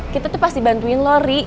kita tuh pasti bantuin lu riri